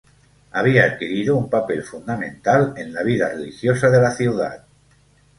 Había adquirido un papel fundamental en la vida religiosa de la ciudad.